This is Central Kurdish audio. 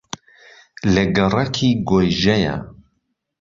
لە گەڕەکی گۆیژەیە